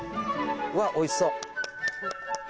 わっおいしそう！